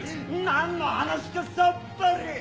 なんの話かさっぱり。